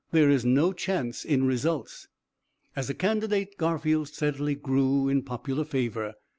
There is no chance in results.' "As a candidate, Garfield steadily grew in popular favor.